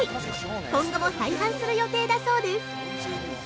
今後も再販する予定だそうです！